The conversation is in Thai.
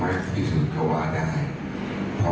สำนวนสยอดเงินที่สร้างบุญในวัง